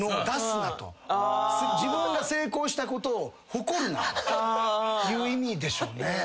自分が成功したことを誇るなという意味でしょうね。